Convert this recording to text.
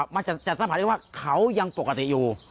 มันจะสัมผัสได้ว่าเขายังปกติอยู่